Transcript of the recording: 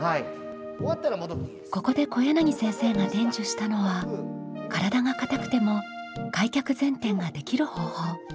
ここで小柳先生が伝授したのは体が硬くても開脚前転ができる方法。